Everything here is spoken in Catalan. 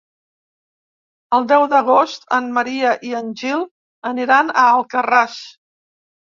El deu d'agost en Maria i en Gil aniran a Alcarràs.